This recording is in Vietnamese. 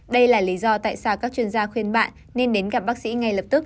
đây là lý do tại sao các chuyên gia khuyên bạn nên đến gặp bác sĩ ngay lập tức